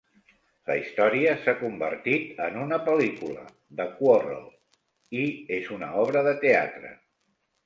La història s'ha convertit en una pel·lícula, "The Quarrel", i en una obra de teatre.